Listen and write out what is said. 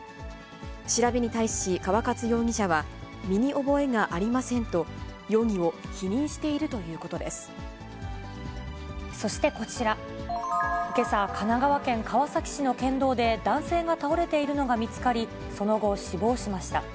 調べに対し川勝容疑者は身に覚えがありませんと、容疑を否認してそしてこちら、けさ、神奈川県川崎市の県道で男性が倒れているのが見つかり、その後、死亡しました。